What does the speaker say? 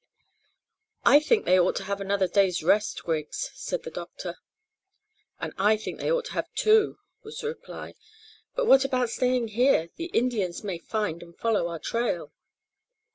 "I think they ought to have another day's rest, Griggs," said the doctor. "And I think they ought to have two," was the reply; "but what about staying here? The Indians may find and follow our trail."